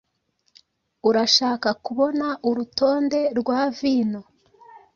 urashaka kubona urutonde rwa vino.